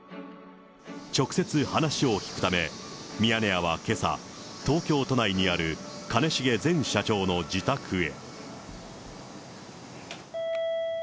直接話を聞くため、ミヤネ屋はけさ、東京都内にある兼重前社長の自宅へ。